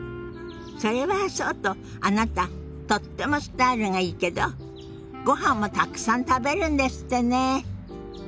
それはそうとあなたとってもスタイルがいいけどごはんもたくさん食べるんですってね。